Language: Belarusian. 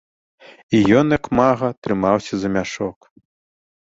І ён як мага трымаўся за мяшок.